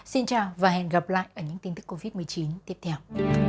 xin chào và hẹn gặp lại ở những tin tức covid một mươi chín tiếp theo